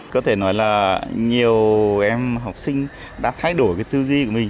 có thể nói là nhiều em học sinh đã thay đổi cái tư duy của mình